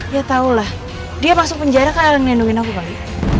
ya tau lah dia masuk penjara karena nendungin aku kali